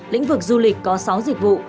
lĩnh vực du lịch có sáu dịch vụ